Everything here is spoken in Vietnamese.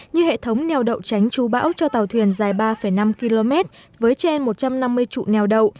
như hệ thống nèo đậu tránh trú bão cho tàu thuyền dài ba năm km với trên một trăm năm mươi trụ nèo đậu